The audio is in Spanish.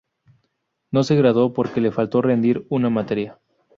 No se graduó porque le faltó rendir una materia.